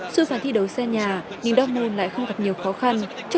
sự phản thi đấu xe nhà nhưng dortmund lại không gặp nhiều khó khăn